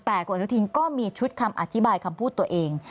แต่คุณอนุทินก็มีชุดคำอธิบายคำพูดตัวเอง